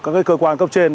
và có các cơ quan cấp trên